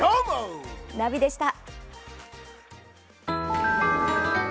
ナビでした。